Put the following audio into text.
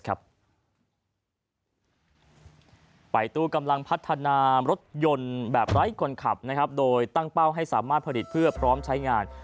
ตู้กำลังพัฒนารถยนต์แบบไร้คนขับโดยตั้งเป้าให้สามารถผลิตเพื่อพร้อมใช้งาน